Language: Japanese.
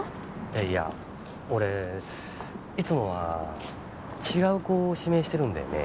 いや俺いつもは違う子を指名してるんだよね。